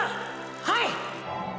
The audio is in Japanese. はい！！